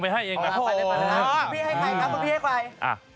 พี่ให้ใครครับตอนพี่ให้ใคร